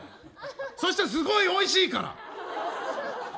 そうしたら、すごいおいしいから。